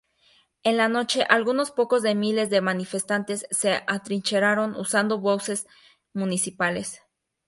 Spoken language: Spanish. En la noche, algunos pocos de miles de manifestantes se atrincheraron usando buses municipales.